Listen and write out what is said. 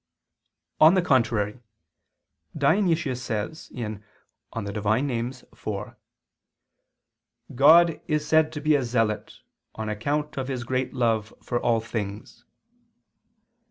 On the contrary, Dionysius says (Div. Nom. iv): "God is said to be a zealot, on account of his great love for all things."